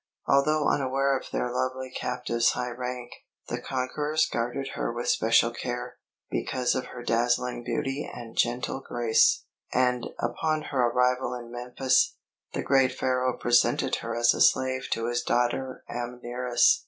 Although unaware of their lovely captive's high rank, the conquerors guarded her with special care, because of her dazzling beauty and gentle grace; and upon her arrival in Memphis, the great Pharaoh presented her as a slave to his daughter Amneris.